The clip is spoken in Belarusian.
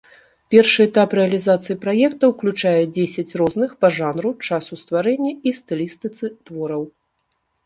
Першы этап рэалізацыі праекта ўключае дзесяць розных па жанру, часу стварэння і стылістыцы твораў.